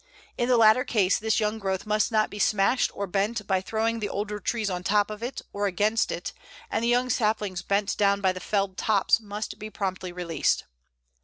In the latter case this young growth must not be smashed or bent by throwing the older trees on top of it, or against it, and the young saplings bent down by the felled tops must be promptly released.